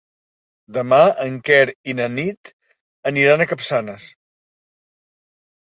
Demà en Quer i na Nit aniran a Capçanes.